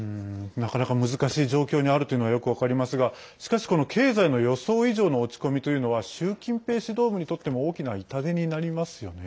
なかなか難しい状況にあるというのはよく分かりますがしかし、この経済の予想以上の落ち込みというのは習近平指導部にとっても大きな痛手になりますよね。